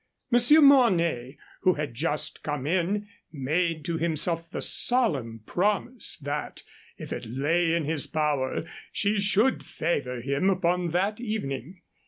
Monsieur Mornay, who had just come in, made to himself the solemn promise that if it lay in his power she should favor him upon that evening.